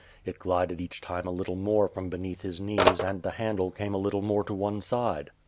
It glided each time a little more from beneath his knees and the handle came a little more to one side.